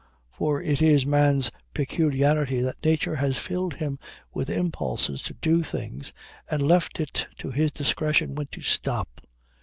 For it is man's peculiarity that nature has filled him with impulses to do things, and left it to his discretion when to stop.